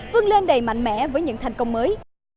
vươn lên đầy mạnh mẽ với những thành công mới